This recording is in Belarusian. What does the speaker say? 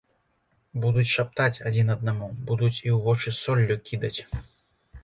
Будуць шаптаць адзін аднаму, будуць і ў вочы соллю кідаць.